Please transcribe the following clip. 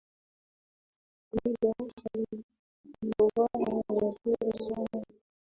Rinda alilovaa ni nzuri sana